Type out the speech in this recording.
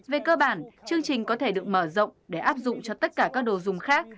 về cơ bản chương trình có thể được mở rộng để áp dụng cho tất cả các đồ dùng khác